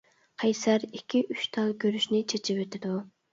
قەيسەر ئىككى ئۈچ تال گۈرۈچنى چېچىۋېتىدۇ.